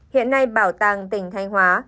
hiện nay bảo tàng tỉnh thanh hóa